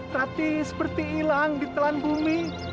tapi seperti hilang di telan bumi